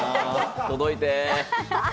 届いて。